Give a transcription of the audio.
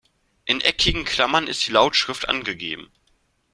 In eckigen Klammern ist die Lautschrift angegeben.